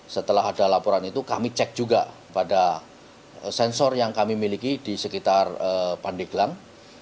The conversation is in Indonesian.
setelah ada laporan itu kami cek juga pada sensor yang kami miliki di sekitar pandeglang